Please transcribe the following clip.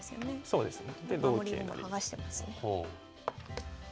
そうですね。